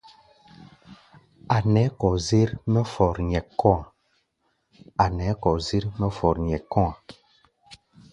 A̧ nɛɛ́ kɔzér mɛ́ fɔr nyɛ́k kɔ̧́-a̧.